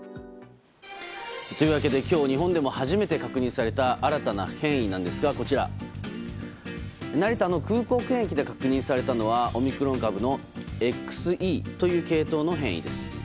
今日日本でも初めて確認された新たな変異なんですが成田の空港検疫で確認されたのはオミクロン株のＸＥという系統の変異です。